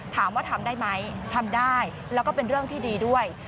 ถามว่าทำได้ไหมทำได้แล้วก็เป็นเรื่องที่ดีด้วย